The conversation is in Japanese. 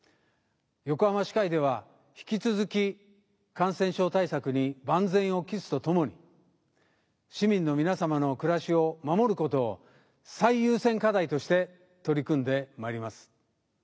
横浜市会では引き続き感染症対策に万全を期すとともに市民の皆様の暮らしを守る事を最優先課題として取り組んでまいります。